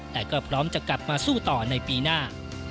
แต่ก็พร้อมจะกลับมาสู้ต่อในปีหน้า